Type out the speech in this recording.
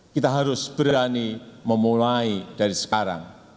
kita harus berani memulai dari sekarang